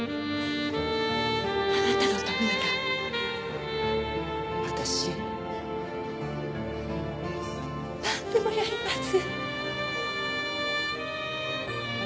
あなたのためなら私なんでもやります。